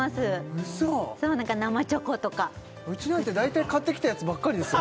ウソ生チョコとかうちなんて大体買ってきたやつばっかりですよ